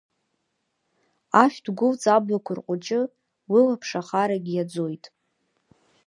Ашәҭ-гәылҵ аблақәа рҟәыҷы, Лылаԥш ахарагь иаӡоит.